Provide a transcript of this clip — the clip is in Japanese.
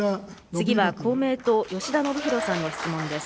次は公明党、吉田宣弘さんの質問です。